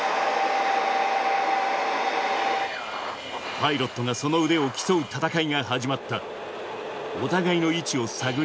パイロットがその腕を競う戦いが始まった。